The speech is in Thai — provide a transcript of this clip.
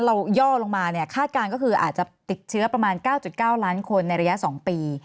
ย่อลงมาเนี่ยคาดการณ์ก็คืออาจจะติดเชื้อประมาณ๙๙ล้านคนในระยะ๒ปี